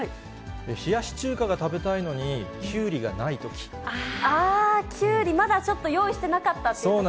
冷やし中華が食べたいのに、あー、きゅうり、まだちょっと用意してなかったというとき。